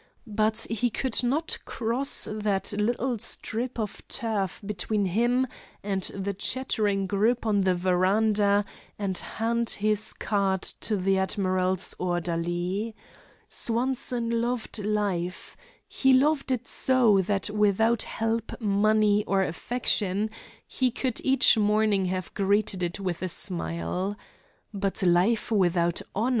But he could not cross that little strip of turf between him and the chattering group on the veranda and hand his card to the admiral's orderly. Swanson loved life. He loved it so that without help, money, or affection he could each morning have greeted it with a smile. But life without honor!